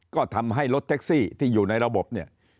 ก็ทำให้รถแท็กซี่ที่อยู่ในระบบเนี่ย